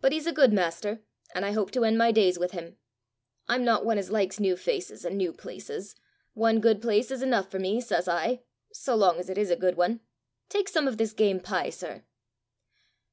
But he's a good master, and I hope to end my days with him. I'm not one as likes new faces and new places! One good place is enough for me, says I so long as it is a good one. Take some of this game pie, sir."